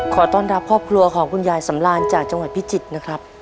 ขอต้อนรับครอบครัวของคุณยายสำราญจากจังหวัดพิจิตรนะครับ